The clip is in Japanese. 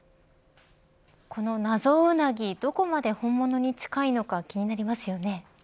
この謎ウナギどこまで本物に近いのか気になりますよね。